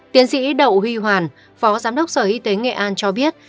tiến sĩ đậu huy hoàn phó giám đốc sở y tế nghệ an cho biết